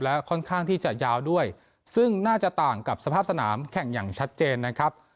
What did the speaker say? และค่อนข้างที่จะยาวด้วยซึ่งน่าจะต่างกับสภาพสนามแข่งอย่างชัดเจนนะครับ